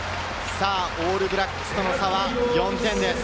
オールブラックスとの差は４点です。